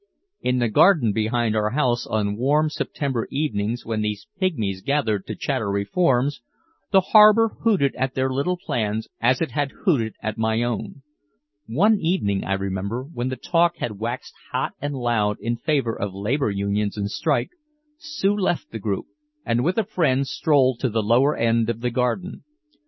In the garden behind our house on warm September evenings when these pigmies gathered to chatter reforms, the harbor hooted at their little plans as it had hooted at my own. One evening, I remember, when the talk had waxed hot and loud in favor of labor unions and strikes, Sue left the group and with a friend strolled to the lower end of the garden.